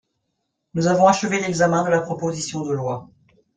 Nous avons achevé l’examen de la proposition de loi.